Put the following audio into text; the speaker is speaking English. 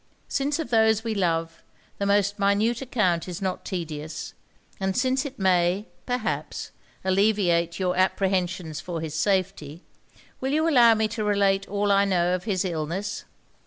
Since of those we love, the most minute account is not tedious, and since it may, perhaps, alleviate your apprehensions for his safety, will you allow me to relate all I know of his illness!